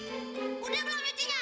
udah belom nyucinya